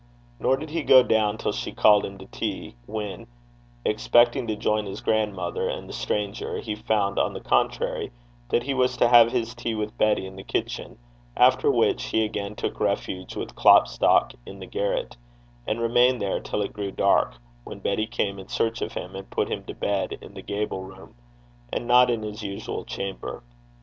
Nor did he go down till she called him to tea, when, expecting to join his grandmother and the stranger, he found, on the contrary, that he was to have his tea with Betty in the kitchen, after which he again took refuge with Klopstock in the garret, and remained there till it grew dark, when Betty came in search of him, and put him to bed in the gable room, and not in his usual chamber.